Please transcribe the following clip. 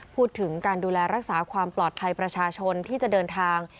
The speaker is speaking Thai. พูดถึงการดูแลรักษาความปลอดภัยประชาชนที่จะเดินทาง